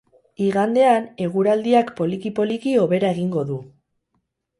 Igandean eguraldiak, poliki-poliki, hobera egingo du.